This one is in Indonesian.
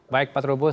baik pak trubus